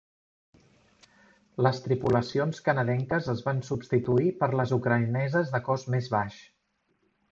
Les tripulacions canadenques es van substituir per les ucraïneses de cost més baix.